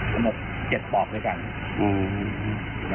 กระโหมก๗ปอกด้วยกัน